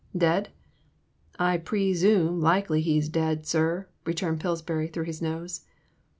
*'Dead?'* I pre sume likely he 's daid, sir," returned Pillsbury through his nose.